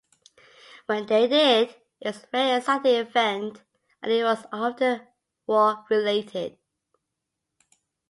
When they did, it was a very exciting event, and it was often war-related.